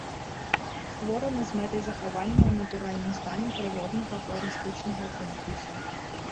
Створаны з мэтай захавання ў натуральным стане прыроднага фларыстычнага комплексу.